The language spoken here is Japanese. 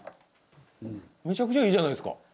めちゃくちゃいいじゃないですか。